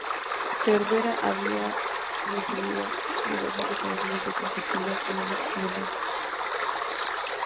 Cervera ha recibido diversos reconocimientos por su actividad como mecenas.